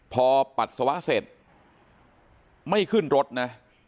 พอปัสสาวะเสร็จไม่ขึ้นรถนะ